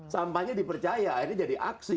sampahnya dipercaya ini jadi aksi